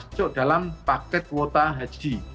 masuk dalam paket kuota haji